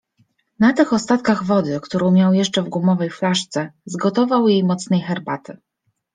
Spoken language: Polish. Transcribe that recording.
Na tych ostatkach wody, którą miał jeszcze w gumowej flaszce, zgotował jej mocnej herbaty.